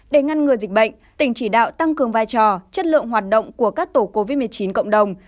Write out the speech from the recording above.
để ngăn ngừa dịch bệnh tỉnh chỉ đạo tăng cường vai trò chất lượng hoạt động của các tổ covid một mươi chín cộng đồng